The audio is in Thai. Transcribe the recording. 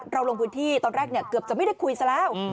ลงพื้นที่ตอนแรกเกือบจะไม่ได้คุยซะแล้ว